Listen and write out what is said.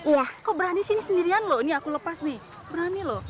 wah kok berani sini sendirian loh ini aku lepas nih berani loh